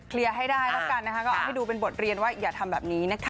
ให้ได้แล้วกันนะคะก็เอาให้ดูเป็นบทเรียนว่าอย่าทำแบบนี้นะคะ